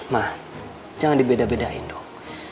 ma jangan dibedah bedahin dong